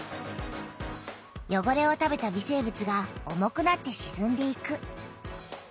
よごれを食べた微生物が重くなってしずんでいく。